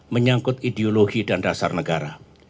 menyangkut ideologi dan dasar negara